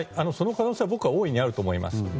その可能性は僕は大いにあると思います。